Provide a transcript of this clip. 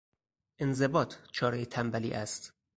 انضباط چارهی تنبلی است.